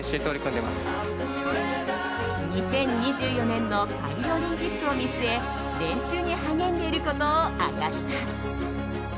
２０２４年のパリオリンピックを見据え練習に励んでいることを明かした。